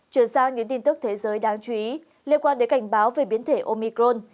chuyển sang những tin tức thế giới đáng chú ý liên quan đến cảnh báo về biến thể omicron